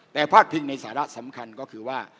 แต่พาดพิงในสาระสำคัญก็คือว่า